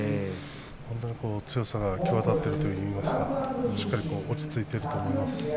本当に強さが際立っているといいますかしっかり、落ち着いていると思います。